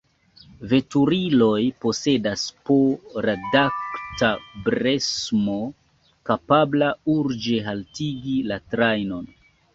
Veturiloj posedas po radaks-bremso, kapabla urĝe haltigi la trajnon.